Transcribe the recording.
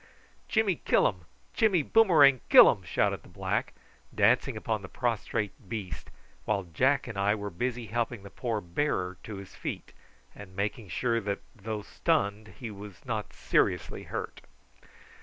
"Jimmy killum! Jimmy boomerang killum!" shouted the black, dancing on the prostrate beast, while Jack and I were busy helping the poor bearer to his feet, and making sure that though stunned he was not seriously hurt.